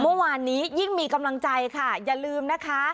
เมื่อวานนี้ยิ่งมีกำลังใจค่ะอย่าลืมนะคะ